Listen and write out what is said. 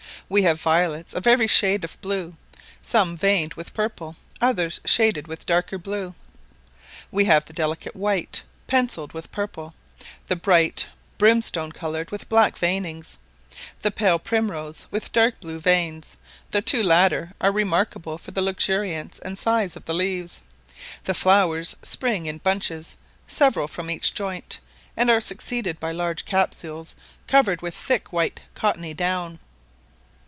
We have violets of every shade of blue, some veined with purple, others shaded with darker blue. We have the delicate white, pencilled with purple: the bright brimstone coloured with black veinings: the pale primrose with dark blue veins; the two latter are remarkable for the luxuriance and size of the leaves: the flowers spring in bunches, several from each joint, and are succeeded by large capsules covered with thick white cottony down.